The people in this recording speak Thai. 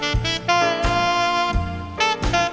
ทุกคนฆาตใหม่